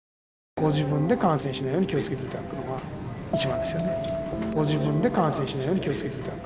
ご自分で感染しないように気を付けていただくのが一番ですよね。